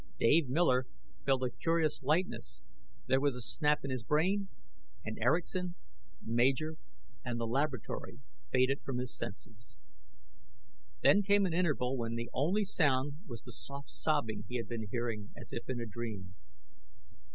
Dave Miller felt a curious lightness. There was a snap in his brain, and Erickson, Major and the laboratory faded from his senses. Then came an interval when the only sound was the soft sobbing he had been hearing as if in a dream.